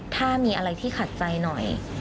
ถ้ามีอะไรที่ขัดใจหน่อย